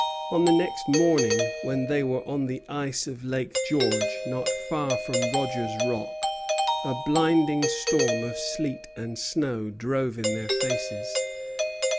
On the next morning, when they were on the ice of Lake George, not far from Rogers Rock, a blinding storm of sleet and snow drove in their faces.